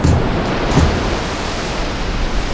مولوي صاحب پر اوږه وټپولوم.